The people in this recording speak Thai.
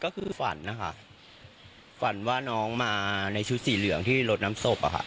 ก็คือฝันนะคะฝันว่าน้องมาในชุดสีเหลืองที่ลดน้ำศพอะค่ะ